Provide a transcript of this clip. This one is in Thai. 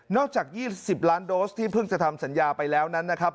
จาก๒๐ล้านโดสที่เพิ่งจะทำสัญญาไปแล้วนั้นนะครับ